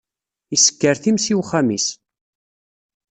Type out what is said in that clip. Issekker times i wexxam-is.